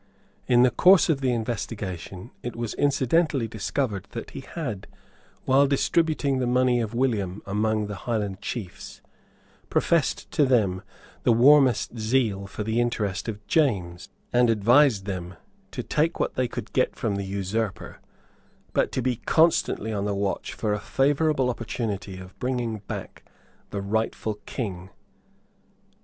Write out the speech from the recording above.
In the course of the investigation it was incidentally discovered that he had, while distributing the money of William among the Highland Chiefs, professed to them the warmest zeal for the interest of James, and advised them to take what they could get from the usurper, but to be constantly on the watch for a favourable opportunity of bringing back the rightful King.